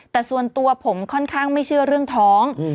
แต่ส่วนตัวผมค่อนข้างไม่เชื่อเรื่องท้อง